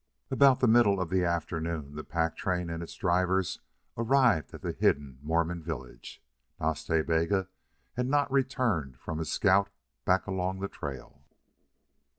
........... About the middle of the afternoon the pack train and its drivers arrived at the hidden Mormon village. Nas Ta Bega had not returned from his scout back along the trail.